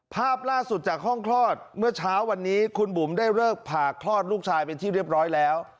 ภาพล่าสุดจากห้องคลอดเมื่อเช้าวันนี้คุณบุ๋มได้เลิกผ่าคลอดลูกชายเป็นที่เรียบร้อยแล้ว